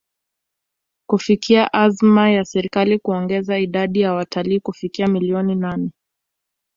kufikia azma ya Serikali kuongeza idadi ya watalii kufikia milioni nane